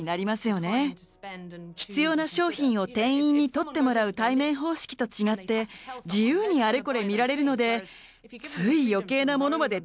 必要な商品を店員に取ってもらう対面方式と違って自由にあれこれ見られるのでつい余計なものまで手に取ってしまう。